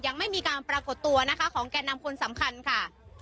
ยังไม่มีการปรากฏตัวนะคะของแก่นำคนสำคัญค่ะ